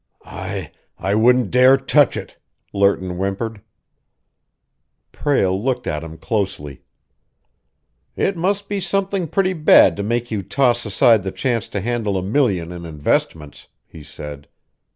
"I I wouldn't dare touch it," Lerton whimpered. Prale looked at him closely. "It must be something pretty bad to make you toss aside the chance to handle a million in investments," he said.